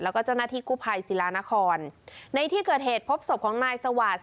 แล้วก็เจ้าหน้าที่กู้ภัยศิลานครในที่เกิดเหตุพบศพของนายสวาส